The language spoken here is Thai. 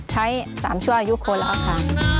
ใช้๓ชั่วอายุคนแล้วค่ะ